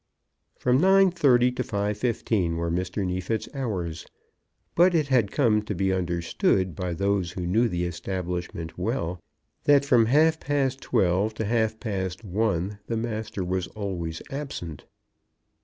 From 9.30 to 5.15 were Mr. Neefit's hours; but it had come to be understood by those who knew the establishment well, that from half past twelve to half past one the master was always absent.